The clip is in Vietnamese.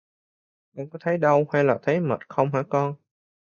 con có thấy đau hay là thấy mệt không hả con